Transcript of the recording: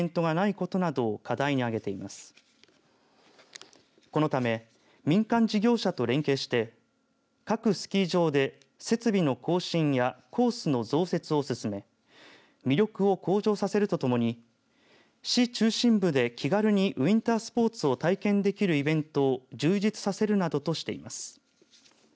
このため、民間事業者と連携して各スキー場で設備の更新やコースの増設を進め魅力を向上させるとともに市中心部で気軽にウインタースポーツを体験できるイベントを充実させるなどとしています。